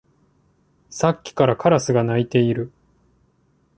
さっきからカラスが鳴いている